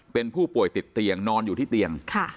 เป็นผู้ป่วยติดเตียงนอนอยู่ที่เตียง